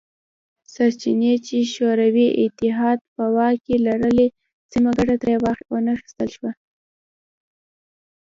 سرچینې چې شوروي اتحاد په واک کې لرلې سمه ګټه ترې وانه خیستل شوه